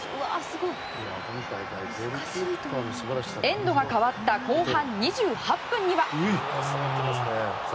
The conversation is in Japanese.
エンドが変わった後半２８分には。